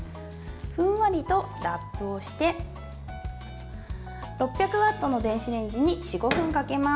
ふんわりとラップをして６００ワットの電子レンジに４５分かけます。